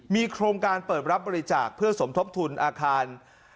มีโครงการเปิดรับบริจาคเพื่อสมทบทุนอาคาร